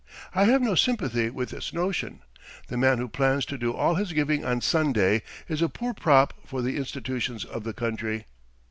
I have no sympathy with this notion. The man who plans to do all his giving on Sunday is a poor prop for the institutions of the country.